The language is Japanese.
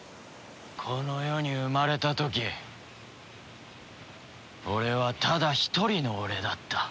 この世に生まれた時俺はただ一人の俺だった。